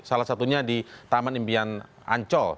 salah satunya di taman impian ancol